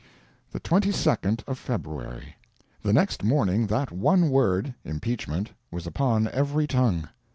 THE TWENTY SECOND OF FEBRUARY The next morning that one word, Impeachment, was upon every tongue.